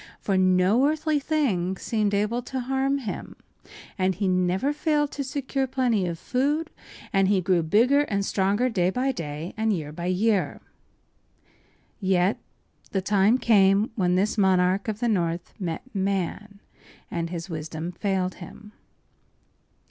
For no earthly thing seemed able to harm him; he never failed to secure plenty of food, and he grew bigger and stronger day by day and year by year. Yet the time came when this monarch of the north met man, and his wisdom failed him.